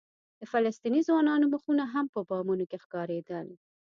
د فلسطیني ځوانانو مخونه هم په بامونو کې ښکارېدل.